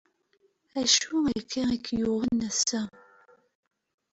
Acu akka i ak-yuɣen ass-a?